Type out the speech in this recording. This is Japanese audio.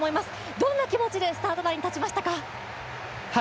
どんな気持ちでスタートラインに立ちましたか？